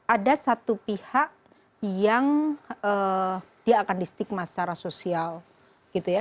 ada satu pihak yang dia akan distigma secara sosial gitu ya